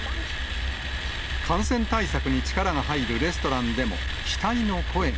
感染対策に力が入るレストランでも、期待の声が。